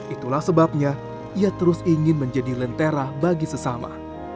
itulah sebabnya ia terus ingin menjadi lentera bagi sesama